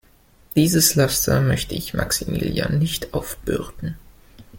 Dieses Laster möchte ich Maximilian nicht aufbürden.